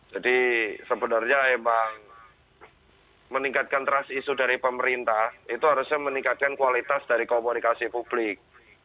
jadi sebenarnya memang meningkatkan trust isu dari pemerintah itu harusnya meningkatkan kualitas dari komunikasi publik